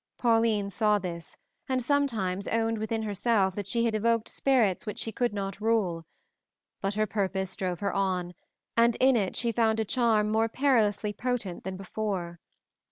Pauline saw this, and sometimes owned within herself that she had evoked spirits which she could not rule, but her purpose drove her on, and in it she found a charm more perilously potent than before.